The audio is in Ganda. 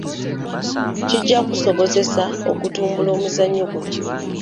Kijja kusobozesa okutumbula omuzannyo guno.